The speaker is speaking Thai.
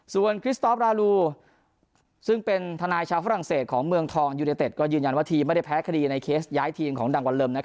ส่วนคริสตอปราลูซึ่งเป็นทนายชาวฝรั่งเศสของเมืองทองยูเนเต็ดก็ยืนยันว่าทีมไม่ได้แพ้คดีในเคสย้ายทีมของดังวันเลิม